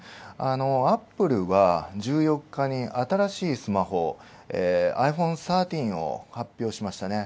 アップルが１４日に新しいスマホ、ｉＰｈｏｎｅ１３を発表しましたね。